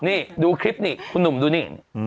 นี่ดูคลิปนิดนุ่มดูนิ